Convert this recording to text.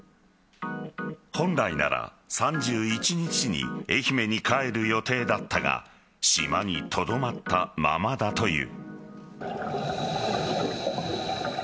本来なら、３１日に愛媛に帰る予定だったが島にとどまったままだという。